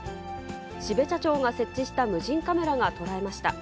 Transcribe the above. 標茶町が設置した無人カメラが捉えました。